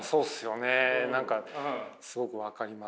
何かすごく分かりますね。